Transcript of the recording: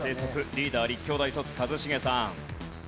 リーダー立教大卒一茂さん。